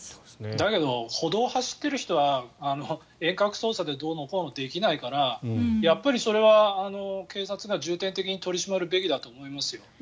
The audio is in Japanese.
だけど歩道を走っている人は遠隔操作でどうのこうのはできないからやっぱりそれは警察が重点的に取り締まるべきだと思いますよ。